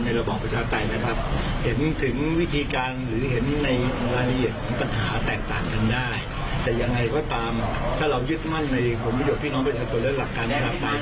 ถ้าเรายึดมั่นในกลุ่มวิดีโอพี่น้องไปถัดตัวเลือกหลักการต่างไป